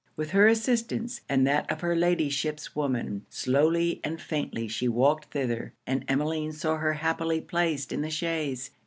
With her assistance, and that of her Ladyship's woman, slowly and faintly she walked thither; and Emmeline saw her happily placed in the chaise.